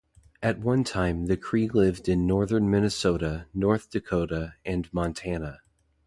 At one time the Cree lived in northern Minnesota, North Dakota and Montana.